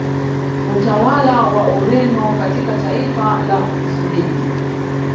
Utawala wa Ureno katika taifa la Msumbiji